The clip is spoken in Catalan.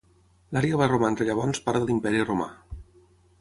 L'àrea va romandre llavors part de l'imperi Romà.